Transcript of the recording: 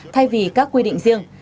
thay vì các quy định riêng